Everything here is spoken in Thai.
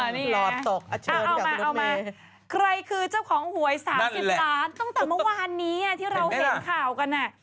นี่เอามาเอามาใครคือเจ้าของหวย๓๐ล้านตั้งแต่เมื่อวานนี้ที่เราเห็นข่าวกัน